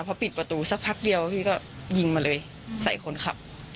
พอปิดประตูสักพักเดียวพี่ก็ยิงมาเลยใส่คนขับ